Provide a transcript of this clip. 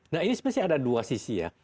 nah ini sebenarnya ada dua sisi ya